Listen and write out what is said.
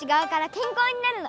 けんこうになるの？